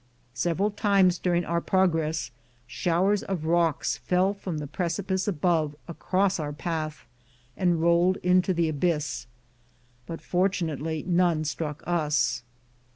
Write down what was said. Several times during our progress showers of rocks fell from the precipice above across our path, and rolled into the abyss, but fortunately none struck us.